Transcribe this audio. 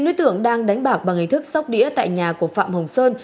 chín đối tượng đang đánh bạc bằng hình thức sóc đĩa tại nhà của phạm hồng sơn